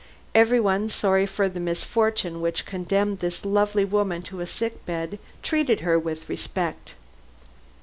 Everyone, sorry for the misfortune which condemned this lovely woman to a sickbed, treated her with respect.